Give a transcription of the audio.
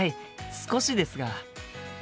少しですが。